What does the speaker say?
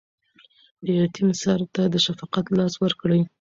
د یتیم سر ته د شفقت لاس ورکړئ.